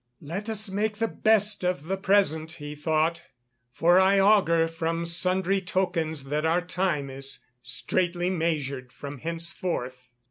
"Let us make the best of the present," he thought, "for I augur from sundry tokens that our time is straitly measured from henceforth."